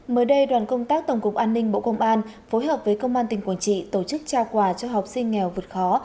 mới đây đoàn công tác tổng cục an ninh bộ công an phối hợp với công an tỉnh quảng trị tổ chức trao quà cho học sinh nghèo vượt khó